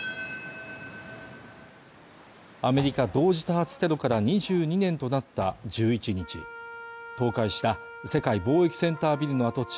アメリカ同時多発テロから２２年となった１１日倒壊した世界貿易センタービルの跡地